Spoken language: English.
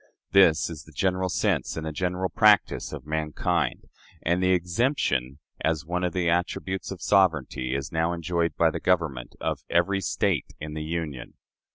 This is the general sense and the general practice of mankind; and the exemption, as one of the attributes of sovereignty, is now enjoyed by the government of every State in the Union.